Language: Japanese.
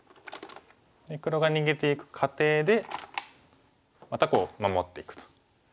で黒が逃げていく過程でまたこう守っていくと。